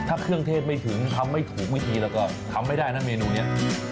ถ้าเครื่องเทศไม่ถึงทำไม่ถูกวิธีแล้วก็ทำไม่ได้นะเมนูนี้